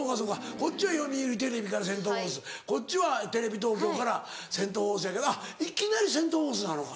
こっちは読売テレビからセント・フォースこっちはテレビ東京からセント・フォースやけどいきなりセント・フォースなのか。